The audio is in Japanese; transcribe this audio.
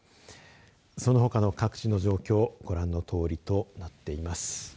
そのほかの各地の状況ご覧のとおりとなっています。